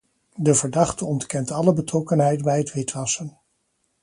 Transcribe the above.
De verdachte ontkent alle betrokkenheid bij het witwassen.